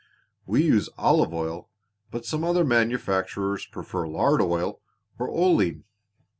We use olive oil, but some other manufacturers prefer lard oil or oleine."